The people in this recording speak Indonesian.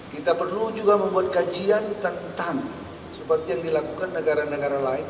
kita perlu juga membuat kajian tentang seperti yang dilakukan negara negara lain